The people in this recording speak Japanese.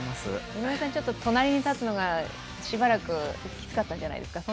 井上さん、隣に立つのがしばらくきつかったんじゃないですか。